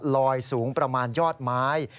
ลอยสูงประมาณยอดไม้